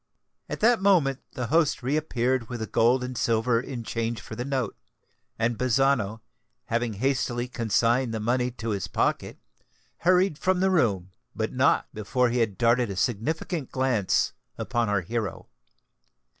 At that moment the host re appeared with the gold and silver in change for the note; and Bazzano, having hastily consigned the money to his pocket, hurried from the room,—but not before he had darted a significant glance upon our hero.